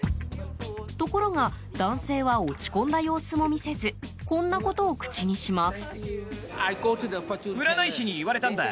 ところが男性は落ち込んだ様子も見せずこんなことを口にします。